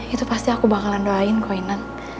itu pasti aku bakalan doain kok inna